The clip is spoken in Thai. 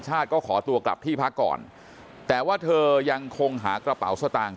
ก็ขอตัวกลับที่พักก่อนแต่ว่าเธอยังคงหากระเป๋าสตางค